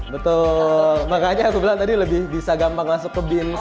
betul makanya aku bilang tadi lebih bisa gampang masuk ke bins